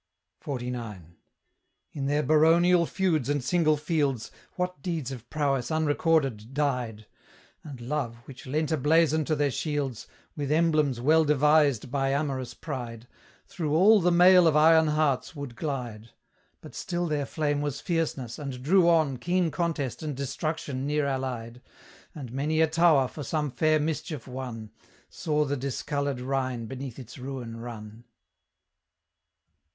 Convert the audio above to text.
XLIX. In their baronial feuds and single fields, What deeds of prowess unrecorded died! And Love, which lent a blazon to their shields, With emblems well devised by amorous pride, Through all the mail of iron hearts would glide; But still their flame was fierceness, and drew on Keen contest and destruction near allied, And many a tower for some fair mischief won, Saw the discoloured Rhine beneath its ruin run.